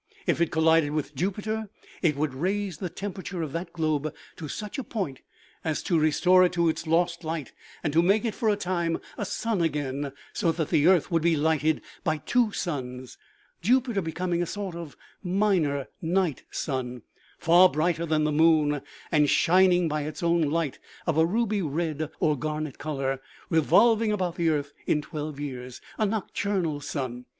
If it collided with Jupiter it would raise the temperature of that globe to such a point as to restore to it its lost light, and to make it for a time a sun again, so that the earth would be lighted by two suns, Jupiter becoming a sort of minor night sun, far brighter than the moon, and shining by its own light of a ruby red or garnet color, revolving about the earth in twelve years. A nocturnal sun